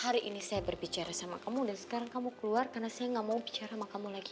hari ini saya berbicara sama kamu dan sekarang kamu keluar karena saya gak mau bicara sama kamu lagi